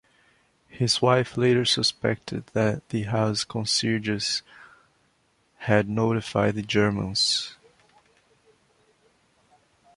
His wife later suspected that the house concierges had notified the Germans.